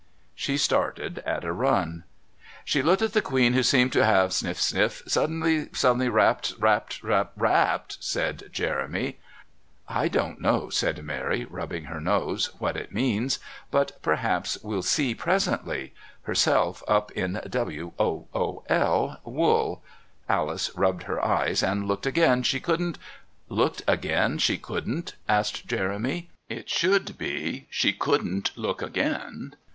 She started at a run: "She looked at the Queen, who seemed to have '" sniff, sniff ",' sud den ly suddenly wra wra w r a p p e d wrapped '" "Wrapped?" asked Jeremy. "I don't know," said Mary, rubbing her nose, "what it means, but perhaps we'll see presently, herself up in w o o l wool. 'Alice rubbed her eyes and looked again she couldn't '" "'Looked again she couldn't'?" asked Jeremy. "It should be, 'she couldn't look again.'"